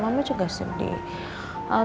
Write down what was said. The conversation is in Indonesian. mama juga sedih